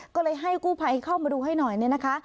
ก็เลยให้กู้ภัยเข้ามาดูให้หน่อยเนี่ยนะคะ